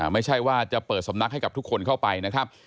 ไม่ใช่ว่าจะเปิดสำนักให้กับทุกคนเข้าไปนะครับ